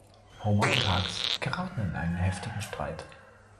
Homer und Hugs geraten in einen heftigen Streit.